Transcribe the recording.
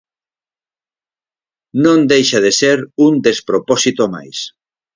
Non deixa de ser un despropósito máis.